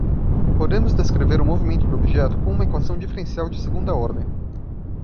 Podemos descrever o movimento do objeto com uma equação diferencial de segunda ordem.